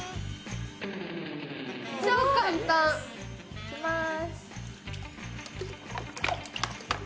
いきます。